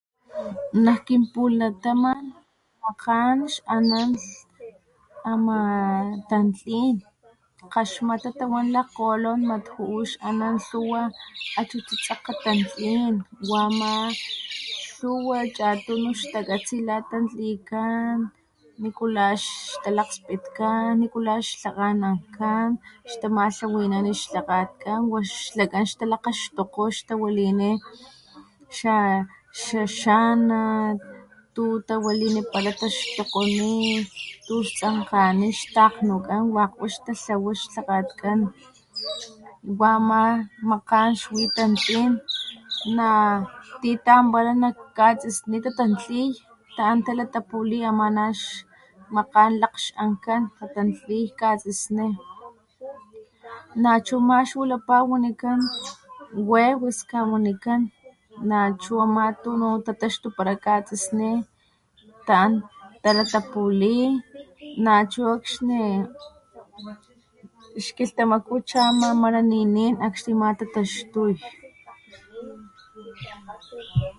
Nak kin pulataman makgan ix´anan ama tantlin kgaxmata tawan lakgkgolon mat ju´u tluwa achu tsitsekge tantlin wama tluwa xlakan xtakatsi la xtatantli nikula xtalakgspitkan nikula ix tlakganankan tamatlawinan ix tlakgatkan wa xtalakgaxtokgo o xtawalini xa xanat tu tawalinipara xta xokgonit ix tsankgeni xtakgnukan wakg wa ix tatlawa ixtlakgatkan wama makgan xwi tatantlin na titampara katsisni tatantli na xtalatapuli makagan xlak ankan tatantli katsisni nachuma xwilapa wewes nawanikan nachu ama tunu tataxtupara katsisini xtalatapuli nachu akaxni ix kilhtamaku akxni chama ninin akaxni ama tataxtuy